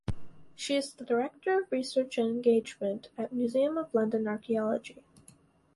She is the Director of Research and Engagement at Museum of London Archaeology.